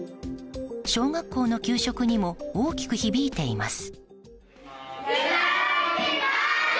小学校の給食にも大きく響いています。